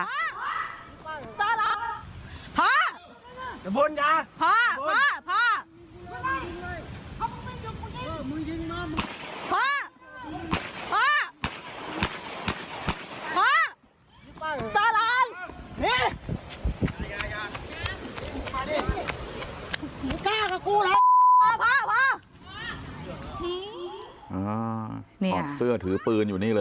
อ้าวถอดเสื้อถือปลูก